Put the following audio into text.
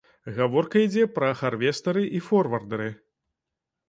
Гаворка ідзе пра харвестары і форвардэры.